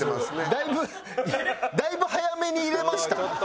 だいぶだいぶ早めに入れました？